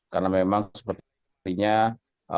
karena memang sepertinya apalagi pemerintah sudah menargetkan bahwa